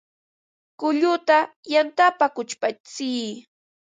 Kulluta yantapa kuchpatsiy